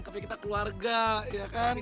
tapi kita keluarga ya kan